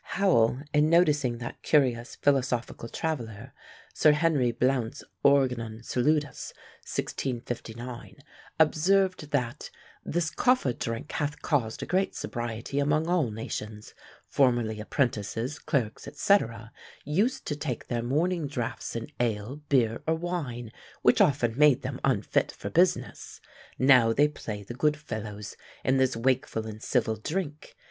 Howell, in noticing that curious philosophical traveller, Sir Henry Blount's "Organon Salutis," 1659, observed that "this coffa drink hath caused a great sobriety among all nations: formerly apprentices, clerks, &c., used to take their morning draughts in ale, beer, or wine, which often made them unfit for business. Now they play the good fellows in this wakeful and civil drink.